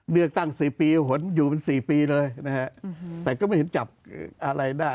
เลือกตั้งสี่ปีหนอยู่สี่ปีเลยนะครับแต่ก็ไม่เห็นจับอะไรอะไร